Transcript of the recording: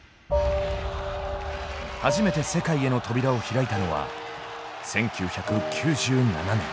初めて世界への扉を開いたのは１９９７年。